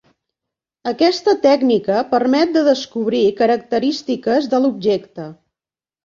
Aquesta tècnica permet de descobrir característiques de l'objecte.